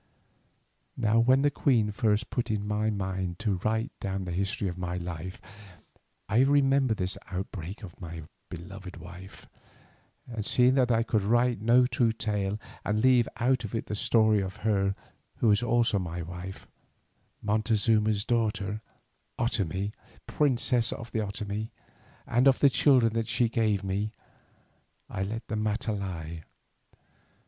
Now when the Queen first put it in my mind to write down the history of my life, I remembered this outbreak of my beloved wife; and seeing that I could write no true tale and leave out of it the story of her who was also my wife, Montezuma's daughter, Otomie, Princess of the Otomie, and of the children that she gave me, I let the matter lie.